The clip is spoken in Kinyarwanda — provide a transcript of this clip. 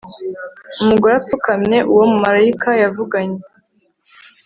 Umugore apfukamye uwo mumarayika yavuganye